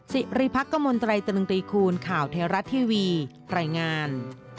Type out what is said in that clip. สิริพักษ์กระมวลไตรตรงตีคูณข่าวเทราะทีวีแรงงาน